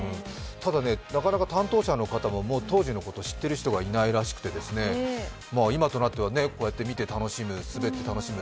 ただなかなか担当者の方も当時のことを知っている方がいないらしくて今となってはこうやって見て楽しむ、滑って楽しむ。